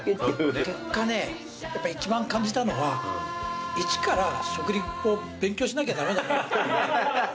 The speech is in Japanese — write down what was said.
結果ねやっぱ一番感じたのは一から食リポを勉強しなきゃ駄目だなっていう。